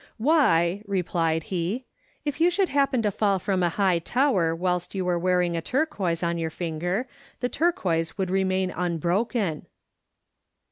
"Why," replied he, "if you should happen to fall from a high tower whilst you were wearing a turquoise on your finger, the turquoise would remain unbroken."